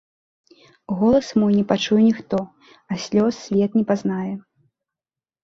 Голас мой не пачуе ніхто, а слёз свет не пазнае.